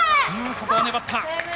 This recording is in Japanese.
ここは粘った。